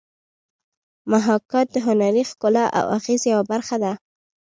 محاکات د هنري ښکلا او اغېز یوه برخه ده